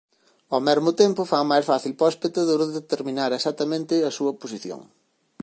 Ao mesmo tempo fan máis fácil para o espectador determinar exactamente a súa posición.